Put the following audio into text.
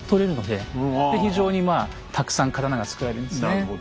で非常にまあたくさん刀が作られるんですね。